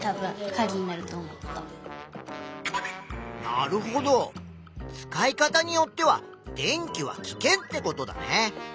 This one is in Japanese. なるほど使い方によっては電気は危険ってことだね。